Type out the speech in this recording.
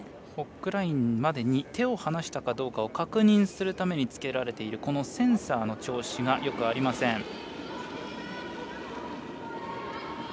ホッグラインまでに手を離したかどうかを確認するためにつけられるセンサーの調子がよくありません。